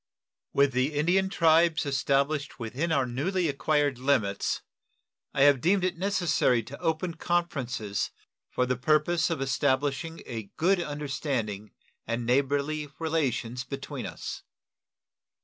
With the Indian tribes established within our newly acquired limits, I have deemed it necessary to open conferences for the purpose of establishing a good understanding and neighborly relations between us.